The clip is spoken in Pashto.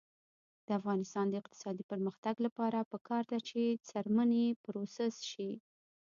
د افغانستان د اقتصادي پرمختګ لپاره پکار ده چې څرمنې پروسس شي.